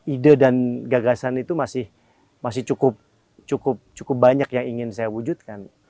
ide dan gagasan itu masih cukup banyak yang ingin saya wujudkan